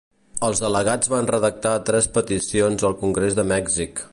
Els delegats van redactar tres peticions al Congrés de Mèxic.